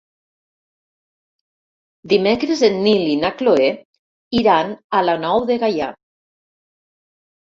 Dimecres en Nil i na Cloè iran a la Nou de Gaià.